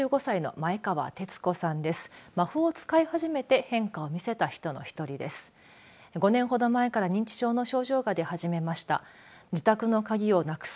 マフを使い始めて変化を見せた人の１人です。